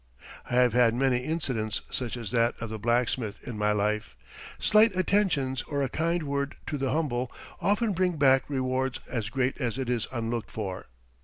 I have had many incidents, such as that of the blacksmith, in my life. Slight attentions or a kind word to the humble often bring back reward as great as it is unlooked for.